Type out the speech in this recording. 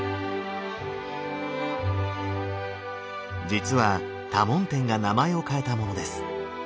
実は多聞天が名前を変えたものです。